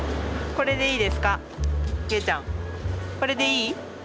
これでいい？